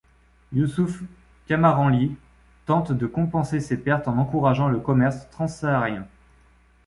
Yousouf Kamaranli tente de compenser ces pertes en encourageant le commerce transsaharien.